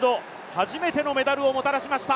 初めてのメダルをもたらしました。